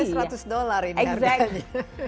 harga saya seratus dolar ini harganya